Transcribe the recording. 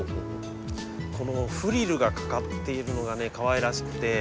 このフリルがかかっているのがねかわいらしくて。